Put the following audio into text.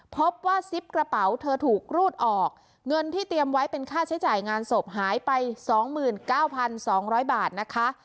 พบว่าซิปกระเป๋าเธอถูกรูดออกเงินที่เตรียมไว้เป็นค่าใช้จ่ายงานศพหายไป๒๙๒๐๐บาทนะคะ